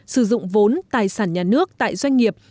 sử dụng vốn tài sản nhà nước tại doanh nghiệp